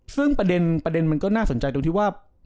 ซึ่งประเด็นมันก็น่าสนใจตรงที่ว่า